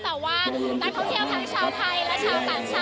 แต่ว่านักท่องเที่ยวทั้งชาวไทยและชาวต่างชาติ